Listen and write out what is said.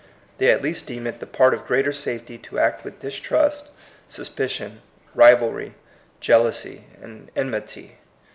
They at least deem it the part of greater safety to act with distrust, suspicion, rivalry, jeal ousy, and enmity.